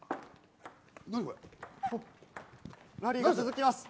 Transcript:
ラリーが続きます。